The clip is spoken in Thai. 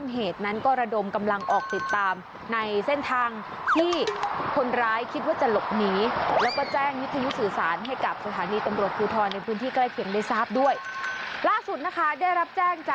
หลังจากที่ตำรวจสพบ